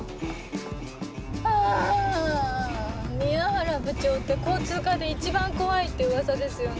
あぁ宮原部長って交通課で一番怖いって噂ですよね。